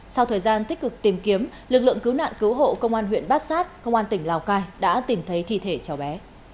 sau thời gian tích cực tìm kiếm lực lượng cứu nạn cứu hộ công an huyện bát sát công an tỉnh lào cai đã tìm thấy thi thể cháu bé